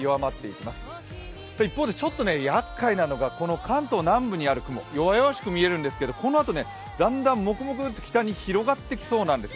ちょっとやっかいなのが関東南部にある雲弱々しく見えるんですけど、このあとだんだん、もくもくっと北に広がってきそうなんですよ。